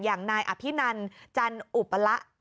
อย่างนายอภินันจันอุปละ